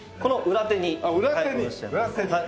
裏手に。